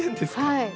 はい。